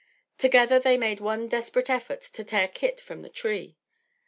Together they made one desperate effort to tear Kit from the tree.